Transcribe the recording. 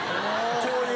こういう。